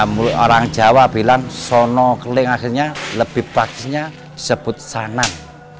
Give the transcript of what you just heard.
mulai orang jawa bilang sono keling akhirnya lebih bagusnya sebut sanan